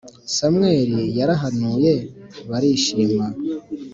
samweli yarahanuye barishima